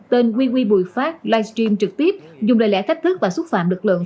tên we quy bùi phát livestream trực tiếp dùng lời lẽ thách thức và xúc phạm lực lượng